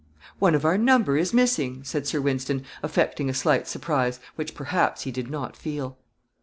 "One of our number is missing," said Sir Wynston, affecting a slight surprise, which, perhaps, he did not feel.